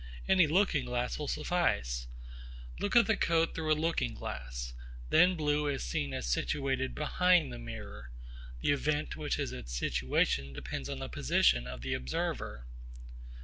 Any looking glass will suffice. Look at the coat through a looking glass. Then blue is seen as situated behind the mirror. The event which is its situation depends upon the position of the observer.